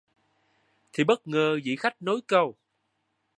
Thì bất ngờ Vị Khách nối câu